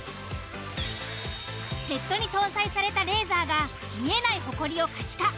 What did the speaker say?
ヘッドに搭載されたレーザーが見えないホコリを可視化。